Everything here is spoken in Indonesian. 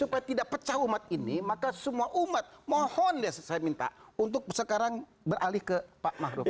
supaya tidak pecah umat ini maka semua umat mohon ya saya minta untuk sekarang beralih ke pak ma'ruf amir